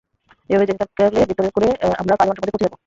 এভাবে যেতে থাকলে ভেতরের কোরে আমরা পাঁচ ঘন্টার মধ্যেই পৌঁছে যাব!